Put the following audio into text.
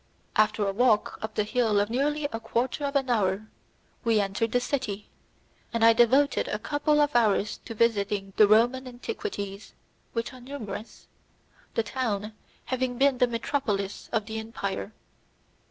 After a walk up hill of nearly a quarter of an hour, we entered the city, and I devoted a couple of hours to visiting the Roman antiquities, which are numerous, the town having been the metropolis of the empire.